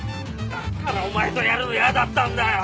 だからお前とやるの嫌だったんだよ！